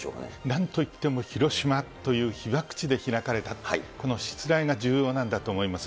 なんといっても、広島という被爆地で開かれた、このしつらえが重要なんだと思います。